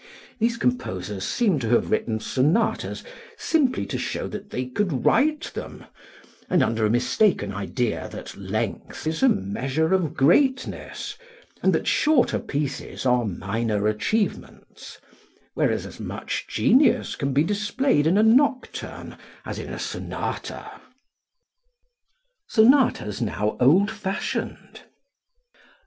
These composers seem to have written sonatas simply to show that they could write them and under a mistaken idea that length is a measure of greatness and that shorter pieces are minor achievements, whereas as much genius can be displayed in a nocturne as in a sonata. Sonatas Now Old fashioned.